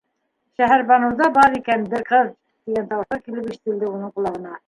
Шәһәрбаныуҙа бар икән бер ҡыҙ! - тигән тауыштар килеп ишетелде уның ҡолағына.